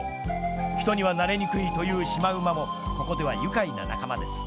人にはなれにくいというシマウマもここでは愉快な仲間です。